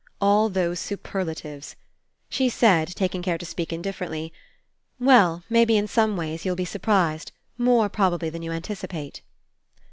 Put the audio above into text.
All those super latives ! She said, taking care to speak indiffer ently: "Well, maybe in some ways you will be surprised, more, probably, than you anticipate."